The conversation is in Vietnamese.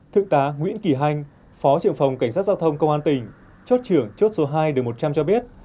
thượng tá nguyễn kỳ hanh phó trưởng phòng cảnh sát giao thông công an tỉnh chốt trưởng chốt số hai đường một trăm linh cho biết